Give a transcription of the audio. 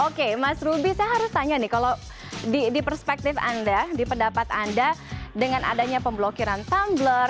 oke mas ruby saya harus tanya nih kalau di perspektif anda di pendapat anda dengan adanya pemblokiran tumbler